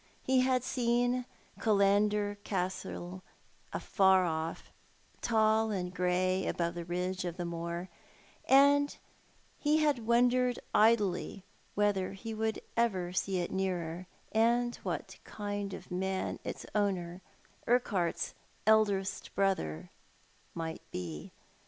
He had seen Killauder Castle afar off, tall and grey above the ridge of the moor, and he had wondered idly whether lie would ever see it nearer, and what kind of a man its owner, Urquhart's eldest brother, might be.